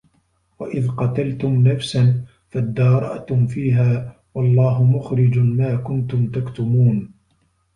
وَإِذْ قَتَلْتُمْ نَفْسًا فَادَّارَأْتُمْ فِيهَا ۖ وَاللَّهُ مُخْرِجٌ مَا كُنْتُمْ تَكْتُمُونَ